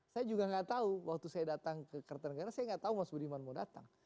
saya juga nggak tahu waktu saya datang ke kertanegara saya nggak tahu mas budiman mau datang